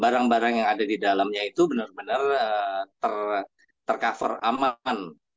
barang barang yang ada di dalamnya itu benar benar tercover aman